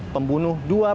pembunuh dua pegawai